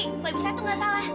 kalau ibu satu nggak salah